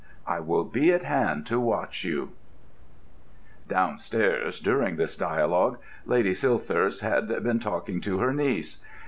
I will be at hand to watch you." Downstairs, during this dialogue, Lady Silthirsk had been talking to her niece.